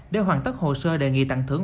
để hoàn tất hồ sơ đề nghị tặng thưởng